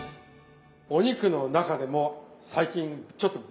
お肉の中でも最近ちょっとブーム。